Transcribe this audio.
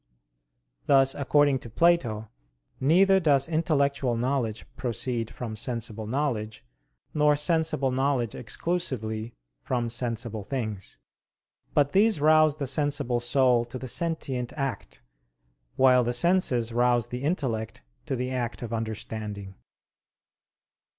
Thus according to Plato, neither does intellectual knowledge proceed from sensible knowledge, nor sensible knowledge exclusively from sensible things; but these rouse the sensible soul to the sentient act, while the senses rouse the intellect to the act of understanding.